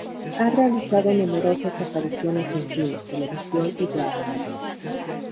Ha realizado numerosas apariciones en cine, televisión y teatro.